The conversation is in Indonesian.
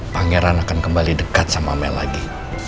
pangeran akan kembali dekat sama mel lagi